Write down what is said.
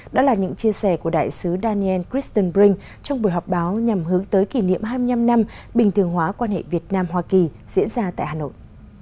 đó là những chia sẻ của đại sứ daniel christenbrink trong buổi họp báo nhằm hướng tới kỷ niệm hai mươi năm năm bình thường hóa quan hệ việt nam hoa kỳ diễn ra tại hà nội